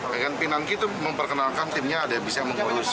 ya kan pinangki itu memperkenalkan timnya ada yang bisa mengurus